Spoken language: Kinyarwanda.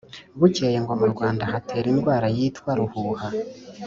bukeye ngo mu rwanda hatera indwara yitwa ruhaha